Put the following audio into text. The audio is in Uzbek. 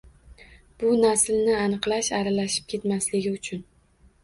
Bu naslni aniqlash, aralashib ketmasligi uchundir